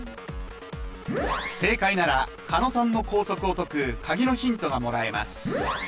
正解なら狩野さんの拘束を解く鍵のヒントがもらえます